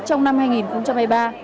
trong năm hai nghìn hai mươi ba